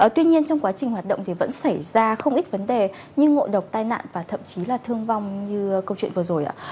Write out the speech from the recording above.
tuy nhiên trong quá trình hoạt động thì vẫn xảy ra không ít vấn đề như ngộ độc tai nạn và thậm chí là thương vong như câu chuyện vừa rồi ạ